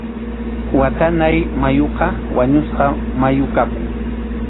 Watanáy mayuqa wañusqa mayu kapun.